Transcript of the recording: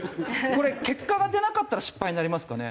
これ結果が出なかったら失敗になりますかね。